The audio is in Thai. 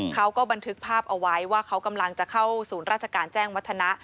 เขาก็บันทึกภาพเอาไว้ว่าเขากำลังจะเข้าศูนย์ราชการแจ้งวัฒนะ